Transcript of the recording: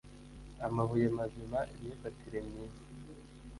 Amabuye mazima imyifatire myiza